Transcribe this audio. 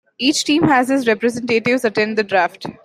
Each team has its representatives attend the draft.